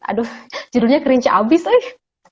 aduh judulnya kerince abis nih